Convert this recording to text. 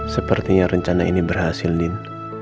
sepertinya rencana ini berhasil din